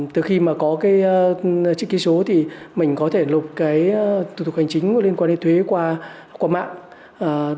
từ khi mà có cái chữ ký số thì mình có thể lục cái thủ tục hành chính liên quan đến thuế qua mạng